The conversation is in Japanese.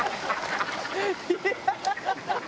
「ハハハハ！」